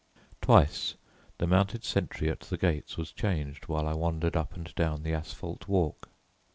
Twice the mounted sentry at the gates was changed while I wandered up and down the asphalt walk.